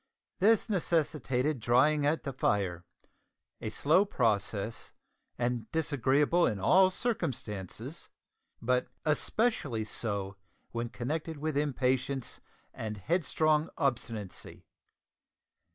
This necessitated drying at the fire a slow process and disagreeable in all circumstances, but especially so when connected with impatience and headstrong obstinacy.